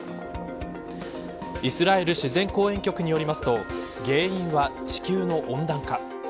イスラエル自然公園局によりますと原因は、地球の温暖化。